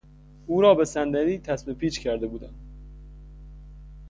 او را به صندلی تسمه پیچ کرده بودند.